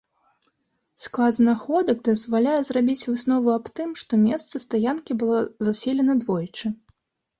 Склад знаходак дазваляе зрабіць выснову аб тым, што месца стаянкі было заселена двойчы.